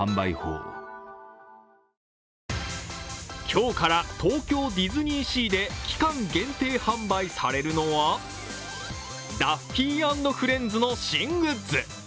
今日から東京ディズニーシーで期間限定販売されるのはダッフィー＆フレンズの新グッズ。